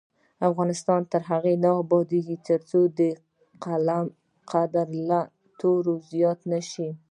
افغانستان تر هغو نه ابادیږي، ترڅو د قلم قدر له تورې زیات نه شي.